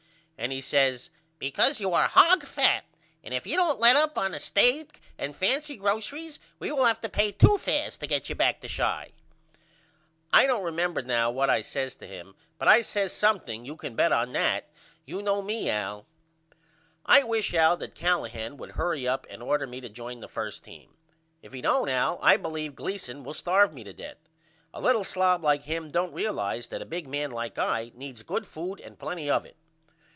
and he says because you are hog fat and if you don't let up on the stable and fancy groceries we will have to pay 2 fairs to get you back to Chi. I don't remember now what I says to him but I says something you can bet on that. You know me Al. I wish Al that Callahan would hurry up and order me to join the 1st team. If he don't Al I believe Gleason will starve me to death. A little slob like him don't realize that a big man like I needs good food and plenty of it.